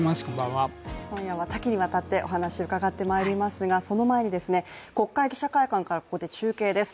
今夜は多岐にわたってお話を伺ってまいりますが、その前に国会記者会館から、ここで中継です。